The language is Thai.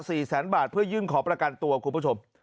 แสนบาทเพื่อยื่นขอประกันตัวคุณผู้ชม